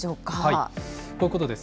こういうことです。